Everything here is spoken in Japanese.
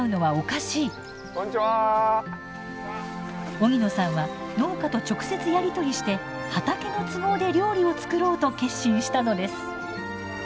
荻野さんは農家と直接やり取りして畑の都合で料理を作ろうと決心したのです。